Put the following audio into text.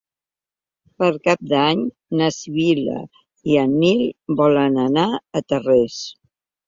Per Cap d'Any na Sibil·la i en Nil volen anar a Tarrés.